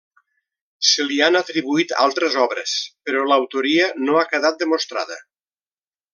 Se li han atribuït altres obres però l'autoria no ha quedat demostrada.